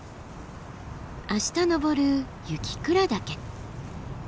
明日登る雪倉岳。